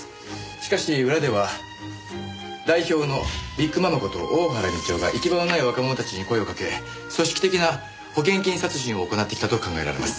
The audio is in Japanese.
しかし裏では代表のビッグママこと大原美千代が行き場のない若者たちに声をかけ組織的な保険金殺人を行ってきたと考えられます。